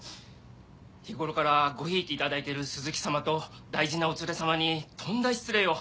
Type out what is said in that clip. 日ごろからごひいきいただいてる鈴木様と大事なお連れ様にとんだ失礼を。